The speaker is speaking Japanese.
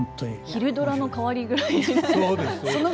昼ドラの代わりぐらい。